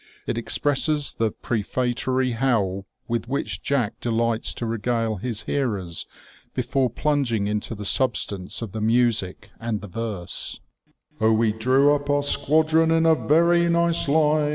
It expresses the prefatory howl with which Jack delights to regale his hearers before plunging into the substance of the music and the verse :—•* Oh, we drew up our squadron In a very nice line.